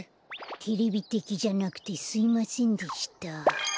テレビてきじゃなくてすいませんでした。